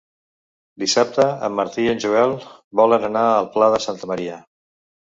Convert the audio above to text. Dissabte en Martí i en Joel volen anar al Pla de Santa Maria.